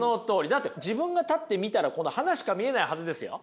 だって自分が立って見たらこの花しか見えないはずですよ？